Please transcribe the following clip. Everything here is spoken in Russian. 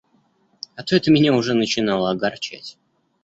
А то это меня уже начинало огорчать.